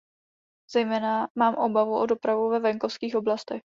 Zejména mám obavu o dopravu ve venkovských oblastech.